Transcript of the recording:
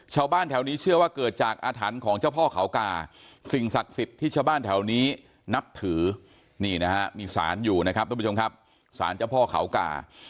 ชาวบ้านแถวนี้เชื่อว่าเกิดจากอาถรรพ์ของเจ้าพ่อเขากาสิ่งศักดิ์สิทธิ์ที่ชาวบ้านแถวนี้นับถือนี่นะฮะมีสารอยู่นะครับทุกผู้ชมครับสารเจ้าพ่อเขากา